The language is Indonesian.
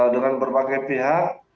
dengan berbagai pihak